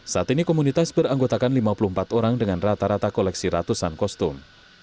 saat ini komunitas beranggotakan lima puluh empat orang dengan rata rata koleksi ratusan kostum